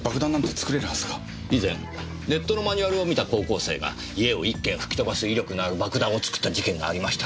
以前ネットのマニュアルを見た高校生が家を１軒吹き飛ばす威力のある爆弾を作った事件がありました。